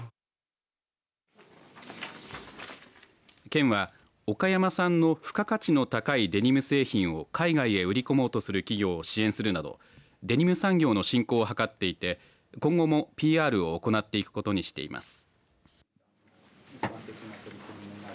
県は岡山産の付加価値の高いデニム製品を海外に売り込もうとする企業を支援するなどデニム産業の振興を図っていて今後もＰＲを行っていくことにしています。